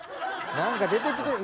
何か出てきてる。